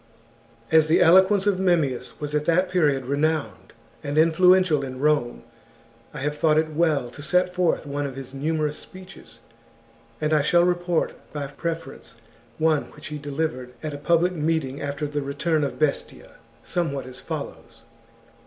As the eloquence of Memmius was at that period renowned and influential in Rome, I have thought it well to set forth one of his numerous speeches, and I shall report by preference one which he de livered at a public meeting after the return of Bestia, somewhat as follows :— CHAP.